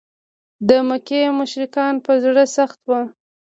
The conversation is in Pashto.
د مکې مشرکان په زړه سخت و.